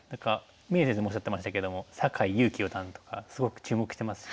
銘先生もおっしゃってましたけども酒井佑規四段とかすごく注目してますし。